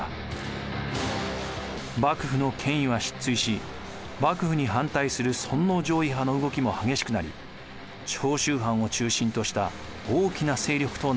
幕府の権威は失墜し幕府に反対する尊王攘夷派の動きも激しくなり長州藩を中心とした大きな勢力となっていきます。